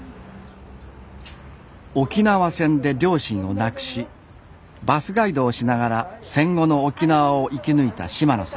沖縄戦で両親を亡くしバスガイドをしながら戦後の沖縄を生き抜いた島野さん。